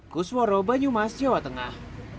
kusworo banyumas jawa tengah